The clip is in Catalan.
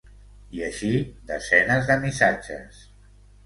I així, desenes de missatges.